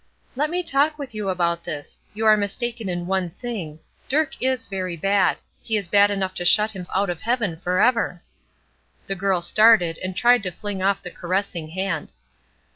"Let me talk with you about this. You are mistaken in one thing. Dirk is very bad. He is bad enough to shut him out of heaven forever." The girl started, and tried to fling off the caressing hand.